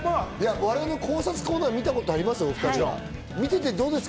我々の考察コーナーを見たことありますか？